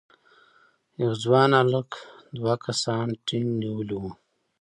یو ځوان هلک دوه کسانو ټینک نیولی و.